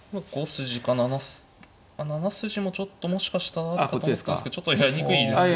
５筋か７７筋もちょっともしかしたらあるかと思ったんですけどちょっとやりにくいです。